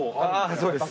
そうです。